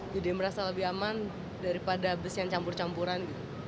jadi merasa lebih aman daripada bus yang campur campuran